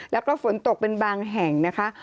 แล้วก็ฝนตกเป็นบางแห่งนะคะ